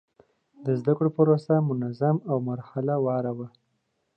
د زده کړې پروسه منظم او مرحله وار وه.